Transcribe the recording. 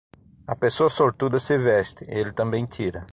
A pessoa sortuda se veste, ele também tira.